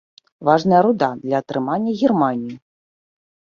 Важная руда для атрымання германію.